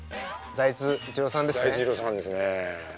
財津一郎さんですね。